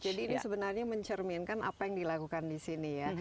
jadi ini sebenarnya mencerminkan apa yang dilakukan di sini ya